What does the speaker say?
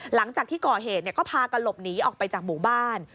หลังจากที่ก่อเหตุก็พากันหลบหนีออกไปจากหมู่บ้าน